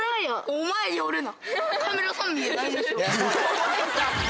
お前寄るな。